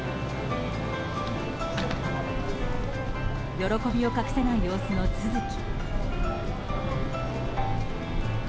喜びを隠せない様子の都筑。